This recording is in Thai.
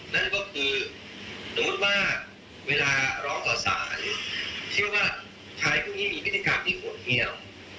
นั่นก็คือสมมุติว่าเวลาร้องต่อสารเชื่อว่าชายพวกนี้มีพฤติกรรมที่โหดเยี่ยม